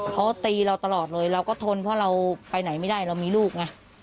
เขาตีเราตลอดเลยเราก็ทนเพราะเราไปไหนไม่ได้เรามีลูกไง